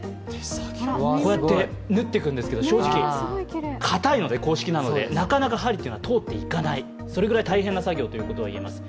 こうやって縫っていくんですけど正直、硬いので、硬式なので、なかなか針が通っていかないそれぐらい大変な作業といえます。